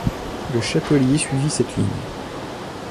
Le Chapelier suivit cette ligne.